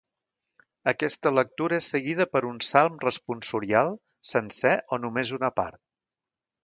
Aquesta lectura és seguida per un Salm Responsorial, sencer o només una part.